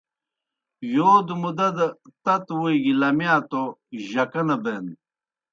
یودوْ مُدا دہ تتوْ ووئی گیْ لمِیا توْ جکہ نہ بین۔